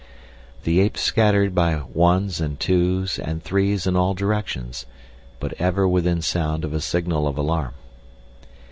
The apes scattered by ones, and twos, and threes in all directions, but ever within sound of a signal of alarm.